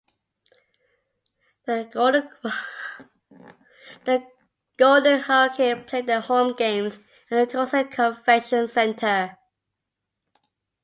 The Golden Hurricane played their home games at the Tulsa Convention Center.